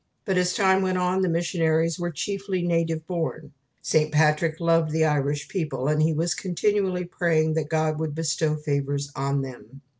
But as time went on the missionaries were chiefly native born. St. Patrick loved the Irish people; and he was continually praying that God would bestow favours on them.